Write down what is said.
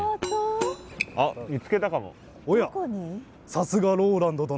さすがＲＯＬＡＮＤ殿！